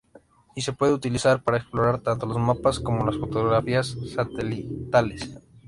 Y se puede utilizar para explorar, tanto los mapas, como las fotografías satelitales.